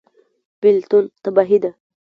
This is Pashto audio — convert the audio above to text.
بیلتون تباهي ده